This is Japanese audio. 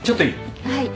はい。